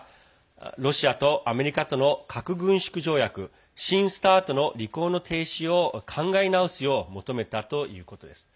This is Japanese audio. ロシアとアメリカとの核軍縮条約新ＳＴＡＲＴの履行の停止を考え直すよう求めたということです。